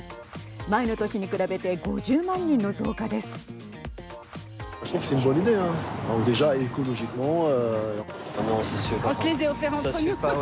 前の年に比べて５０万人の増加です。